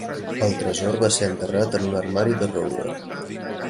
El tresor va ser enterrat en un armari de roure.